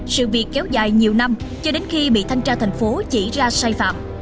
sự việc kéo dài nhiều năm cho đến khi bị thanh tra thành phố chỉ ra sai phạm